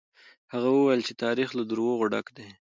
هغه وويل چې تاريخ له دروغو ډک دی.